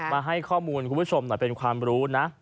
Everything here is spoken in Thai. มาให้ข้อมูลคุณผู้ชมหน่อยเป็นความรู้นะ